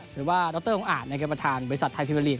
หรือว่าดรฮอ่านในเกี่ยวกับประธานบริษัทไทยพีเวอร์ลีก